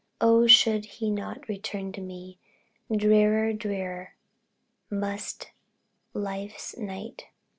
Oh, should he not return to me, Drear, drear must be life's night!